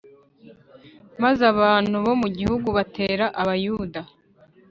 Maze abantu bo mu gihugu batera Abayuda